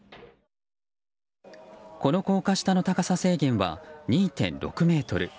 この高架下の高さ制限は２．６ｍ。